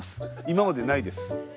今までないです。